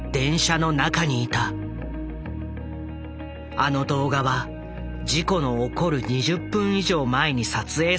あの動画は事故の起こる２０分以上前に撮影されたものだったのだ。